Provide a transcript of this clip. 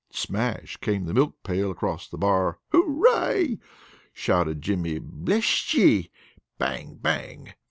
Smash came the milk pail across the bar. "Hooray!" shouted Jimmy. "Besht yet!" Bang! Bang!